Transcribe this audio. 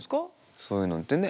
そういうのってね。